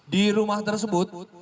di rumah tersebut